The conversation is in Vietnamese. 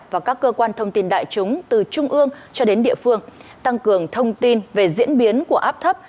và các cơ quan thông tin đại chúng từ trung ương cho đến địa phương tăng cường thông tin về diễn biến của áp thấp